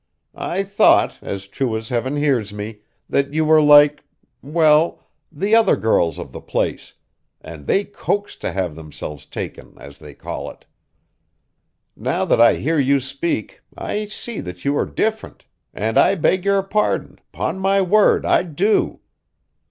I thought, as true as heaven hears me, that you were like well, the other girls of the place, and they coax to have themselves 'taken' as they call it. Now that I hear you speak, I see that you are different, and I beg your pardon, 'pon my word, I do.